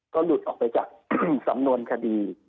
ก็หลุดออกไปจากสำนวนคดี